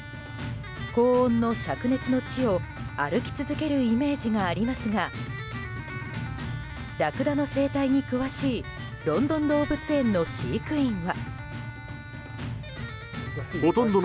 高温の灼熱の地を歩き続けるイメージがありますがラクダの生態に詳しいロンドン動物園の飼育員は。